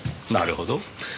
なるほど。